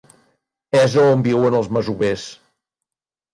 És on viuen els masovers.